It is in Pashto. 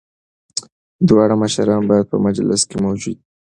دواړه مشران باید په مجلس کي موجود وي.